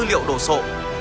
dữ liệu đồ sộ